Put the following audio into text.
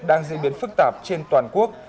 đang diễn biến phức tạp trên toàn quốc